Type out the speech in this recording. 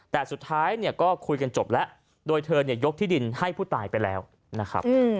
แต่สุดท้ายเนี่ยก็คุยกันจบแล้วโดยเธอเนี่ยยกที่ดินให้ผู้ตายไปแล้วนะครับ